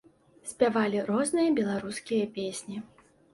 Спявалі розныя беларускія песні.